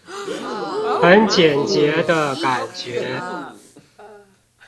很簡潔的感覺